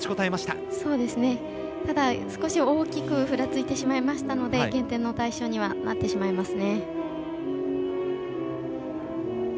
ただ、少し大きくふらついてしまいましたので減点の対象にはなってしまいます。